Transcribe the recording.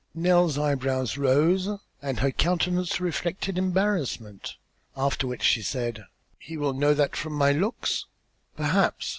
Nell's eyebrows rose and her countenance reflected embarrassment, after which she said: "He will know that from my looks." "Perhaps.